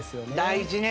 大事ね。